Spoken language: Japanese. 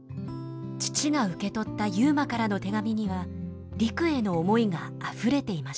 父が受け取った悠磨からの手紙には陸への思いがあふれていました。